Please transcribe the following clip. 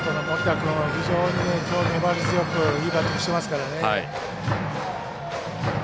きょう、非常に粘り強くいいバッティングしてますからね。